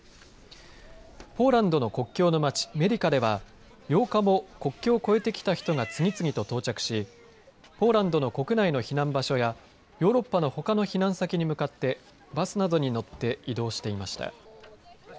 ポーランドの国境の町、メディカでは８日も国境を越えてきた人が次々と到着し、ポーランドの国内の避難場所やヨーロッパのほかの避難先に向かってバスなどに乗って移動していました。